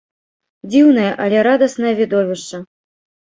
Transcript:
Дзіўнае, але радаснае відовішча!